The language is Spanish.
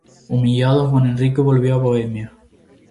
Humillado, Juan Enrique volvió a Bohemia.